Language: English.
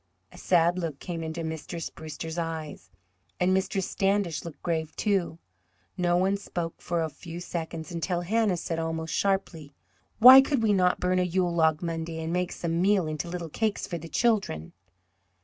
A sad look came into Mistress Brewster's eyes, and Mistress Standish looked grave, too. No one spoke for a few seconds, until Hannah said almost sharply: "Why could we not burn a Yule log Monday, and make some meal into little cakes for the children?"